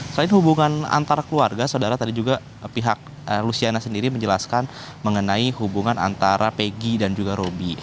selain hubungan antara keluarga saudara tadi juga pihak luciana sendiri menjelaskan mengenai hubungan antara peggy dan juga roby